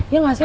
ya gak sih